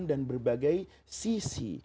dan berbagai sisi